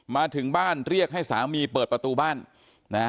มาถึงบ้านเรียกให้สามีเปิดประตูบ้านนะฮะ